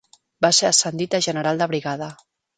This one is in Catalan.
Va ser ascendit a general de brigada.